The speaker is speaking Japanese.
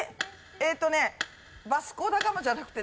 えっとねバスコ・ダ・ガマじゃなくて。